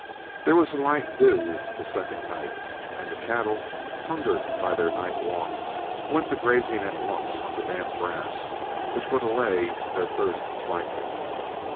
There was a light dew the second night, and the cattle, hungered by their night walk, went to grazing at once on the damp grass, which would allay their thirst slightly.